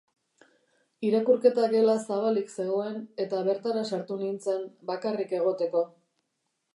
Irakurketa-gela zabalik zegoen, eta bertara sartu nintzen bakarrik egoteko.